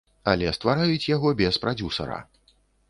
Але ствараюць яго без прадзюсара.